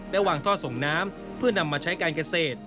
และวางท่อส่งน้ำเพื่อนำมาใช้การเกษตร